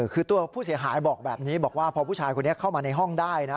คือตัวผู้เสียหายบอกแบบนี้บอกว่าพอผู้ชายคนนี้เข้ามาในห้องได้นะ